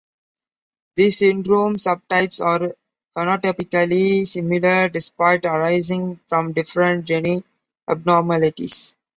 These syndrome subtypes are phenotypically similar despite arising from different gene abnormalities.